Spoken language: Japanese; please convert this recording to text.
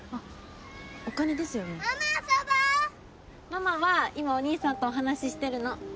ママは今おにいさんとお話ししてるの。